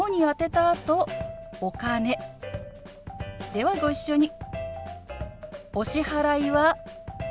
ではご一緒に。